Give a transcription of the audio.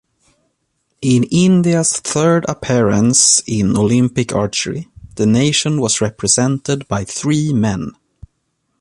In India's third appearance in Olympic archery, the nation was represented by three men.